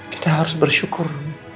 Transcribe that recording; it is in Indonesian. kita harus bersyukur